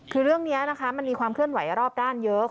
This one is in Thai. คือเรื่องนี้นะคะมันมีความเคลื่อนไหวรอบด้านเยอะ